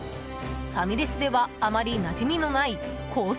ファミレスではあまりなじみのないコース